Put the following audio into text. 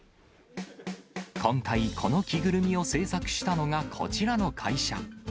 今回、この着ぐるみを製作したのがこちらの会社。